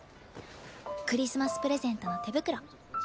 クリスマスプレゼントの手袋。